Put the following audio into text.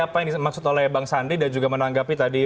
apa yang dimaksud oleh bang sandi dan juga menanggapi tadi